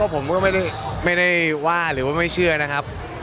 ผมก็ไม่ได้ว่าหรือว่าไม่เชื่อนะครับ